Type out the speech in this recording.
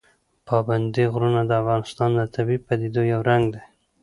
پابندي غرونه د افغانستان د طبیعي پدیدو یو رنګ دی.